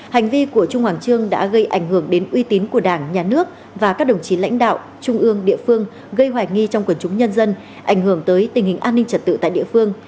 hành vi của trung hoàng trương đã gây ảnh hưởng đến uy tín của đảng nhà nước và các đồng chí lãnh đạo trung ương địa phương gây hoài nghi trong quần chúng nhân dân ảnh hưởng tới tình hình an ninh trật tự tại địa phương